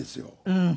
うん。